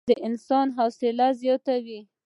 ځغاسته د انسان حوصله زیاتوي